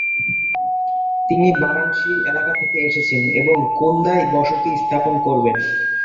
তিনি বারাণসী এলাকা থেকে এসেছেন এবং কুন্দায় বসতি স্থাপন করেন।